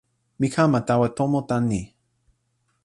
mi kama tawa tomo tan ni.